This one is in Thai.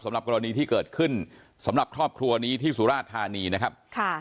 สำหรับกรณีที่เกิดขึ้นสำหรับครอบครัวนี้ที่สุราชธานีนะครับค่ะ